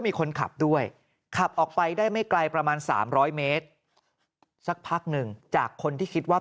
มีคนขับด้วยขับออกไปได้ไม่ไกลประมาณ๓๐๐เมตรสักพักหนึ่งจากคนที่คิดว่า